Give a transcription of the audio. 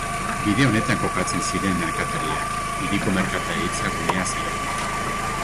Bide honetan kokatzen ziren merkatariak, hiriko merkataritza gunea zelarik.